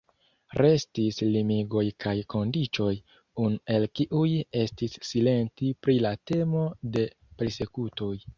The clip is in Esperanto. Restis limigoj kaj kondiĉoj, unu el kiuj estis silenti pri la temo de persekutoj.